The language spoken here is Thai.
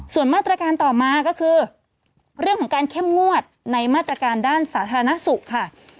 ส่วนมาตรการต่อมาก็คือเรื่องของการเข้มงวดในมาตรการด้านสาธารณสุขค่ะ